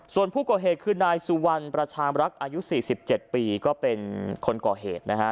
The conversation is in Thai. ส่วนผู้ก่อเหตุคือนายสุวรรณประชามรักษ์อายุ๔๗ปีก็เป็นคนก่อเหตุนะฮะ